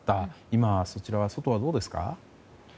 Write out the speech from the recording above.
今はそちらは外はどうですか？